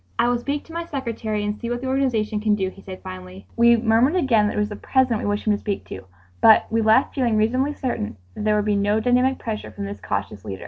"I will speak to my secretary and see what the organization can do," he said finally. We murmured again that it was the President we wished him to speak to, but we left feeling reasonably certain that there would be no dynamic pressure from this cautious leader.